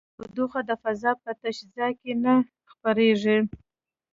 تودوخه د فضا په تش ځای کې نه خپرېږي.